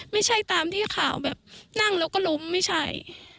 ไม่ใช่ตามที่ข่าวแบบนั่งแล้วก็ล้มไม่ใช่